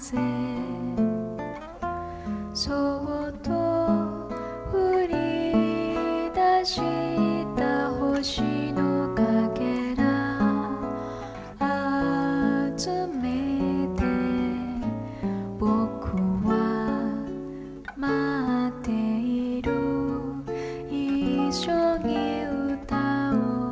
そっと降りだした星のかけらあつめてぼくは待っている一緒に歌おう